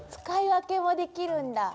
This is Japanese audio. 使い分けもできるんだ。